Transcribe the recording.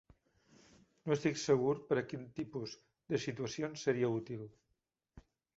No estic segur per a quin tipus de situacions seria útil.